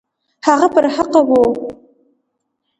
هغه پر حقه وو.